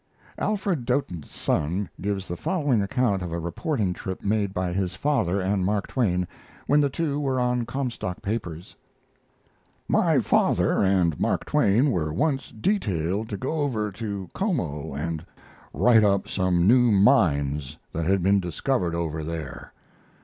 Alfred Doten's son gives the following account of a reporting trip made by his father and Mark Twain, when the two were on Comstock papers: My father and Mark Twain were once detailed to go over to Como and write up some new mines that had been discovered over there.